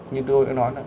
như tôi đã nói là